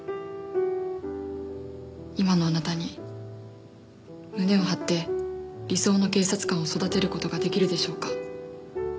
今のあなたに胸を張って理想の警察官を育てる事が出来るでしょうか？